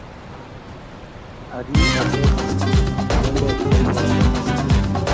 Aki ratet tulondok boiboindo